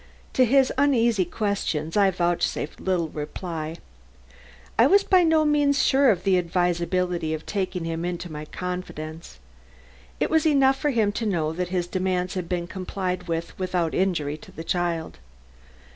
To his uneasy questions I vouchsafed little reply. I was by no means sure of the advisability of taking him into my full confidence. It was enough for him to know that his demands had been complied with without injury to the child.